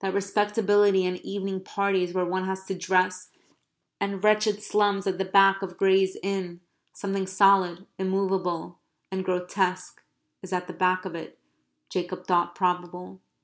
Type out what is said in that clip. That respectability and evening parties where one has to dress, and wretched slums at the back of Gray's Inn something solid, immovable, and grotesque is at the back of it, Jacob thought probable.